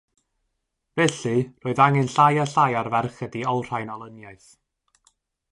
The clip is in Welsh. Felly roedd angen llai a llai ar ferched i olrhain olyniaeth.